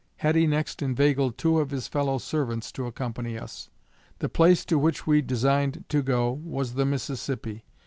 Heddy next inveigled two of his fellow servants to accompany us. The place to which we designed to go was the Mississippi.